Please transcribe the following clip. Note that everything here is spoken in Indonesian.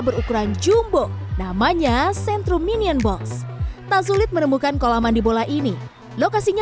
berukuran jumbo namanya centrum minion box tak sulit menemukan kolam mandi bola ini lokasinya